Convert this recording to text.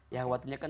ya khawatirnya kan